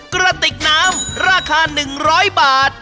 กระติกน้ำราคา๑๐๐บาท